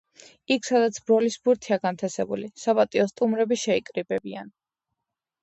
იქ სადაც ბროლის ბურთია განთასებული, საპატიო სტუმრები შეიკრიბებიან.